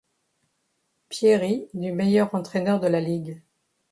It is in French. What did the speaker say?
Pieri du meilleur entraîneur de la ligue.